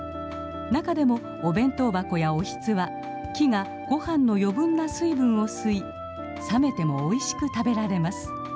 中でもお弁当箱やおひつは木がご飯の余分な水分を吸い冷めてもおいしく食べられます。